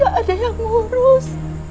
gak ada yang ngurus